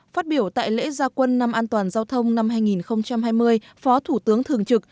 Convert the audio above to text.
phát biểu tại lễ gia quân năm an toàn giao thông năm hai nghìn hai mươi phó thủ tướng thường trực